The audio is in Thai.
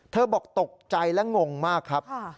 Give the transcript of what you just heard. บอกตกใจและงงมากครับ